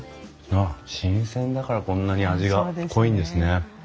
ああ新鮮だからこんなに味が濃いんですね。